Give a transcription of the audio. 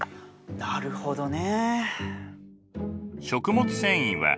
なるほどね。